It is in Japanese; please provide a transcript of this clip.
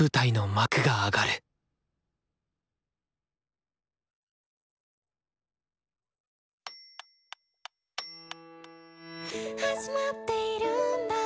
舞台の幕が上がる「始まっているんだ